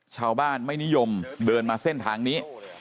ชาวบ้านไม่นิยมเดินมาเส้นทางนี้